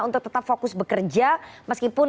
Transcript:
untuk tetap fokus bekerja meskipun